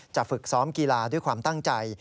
ฝึกซ้อมกีฬาด้วยความตั้งใจ